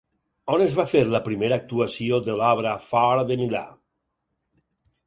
On es va fer la primera actuació de l'obra fora de Milà?